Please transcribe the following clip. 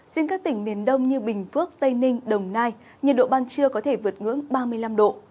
riêng các tỉnh miền đông như bình phước tây ninh đồng nai nhiệt độ ban trưa có thể vượt ngưỡng ba mươi năm độ